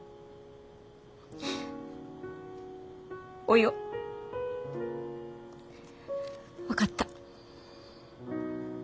およ分かった。